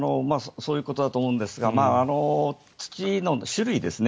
そういうことだと思いますが、土の種類ですね。